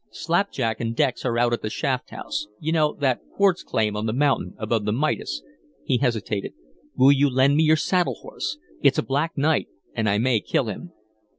"Slapjack and Dex are out at the shaft house you know that quartz claim on the mountain above the Midas." He hesitated. "Will you lend me your saddle horse? It's a black night and I may kill him."